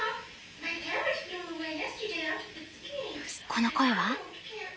この声は？